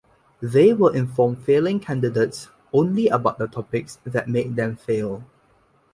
They will inform failing candidates only about the topics that made them fail.